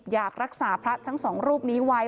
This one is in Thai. อยากรักษาพระทั้งสองรูปนี้ไว้